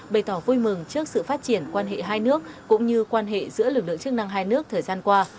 bày tỏ vui mừng trước sự phát triển quan hệ hai nước cũng như quan hệ giữa lực lượng chức năng hai nước thời gian qua